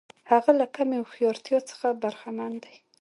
هغه له کمې هوښیارتیا څخه برخمن دی.